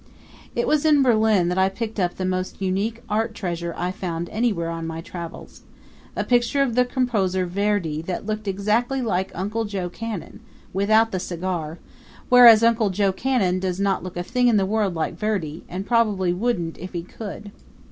It was in Berlin that I picked up the most unique art treasure I found anywhere on my travels a picture of the composer Verdi that looked exactly like Uncle Joe Cannon, without the cigar; whereas Uncle Joe Cannon does not look a thing in the world like Verdi, and probably wouldn't if he could.